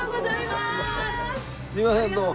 すみませんどうも。